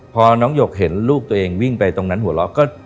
พอน้องหยกเห็นลูกตัวเองวิ่งไปตรงนั้นหัวเราะก็